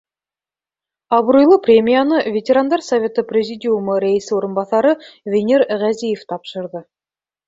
Абруйлы премияны Ветерандар советы президиумы рәйесе урынбаҫары Венер Ғәзиев тапшырҙы.